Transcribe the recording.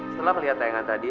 setelah melihat tayangan tadi